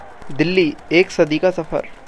दिल्ली: एक सदी का सफर